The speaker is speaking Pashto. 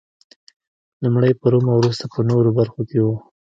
لومړی په روم او وروسته په نورو برخو کې و